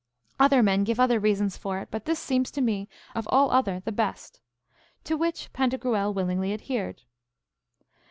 Other men give other reasons for it, but this seems to me of all other the best. To which Pantagruel willingly adhered.